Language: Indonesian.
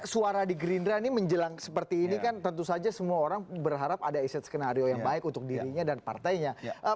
suara di gerindra ini menjelang seperti ini kan tentu saja semua orang berharap ada ise skenario yang baik untuk dirinya dan partainya